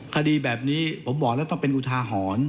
คดีแบบนี้ผมบอกแล้วต้องเป็นอุทาหรณ์